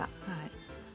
はい。